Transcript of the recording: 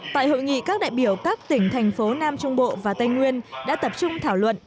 tại hội nghị các đại biểu các tỉnh thành phố nam trung bộ và tây nguyên đã tập trung thảo luận